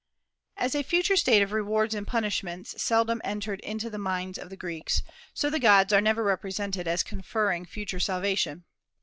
As a future state of rewards and punishments seldom entered into the minds of the Greeks, so the gods are never represented as conferring future salvation.